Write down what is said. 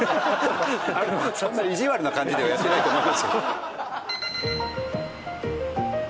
そんな意地悪な感じではやってないと思うけど。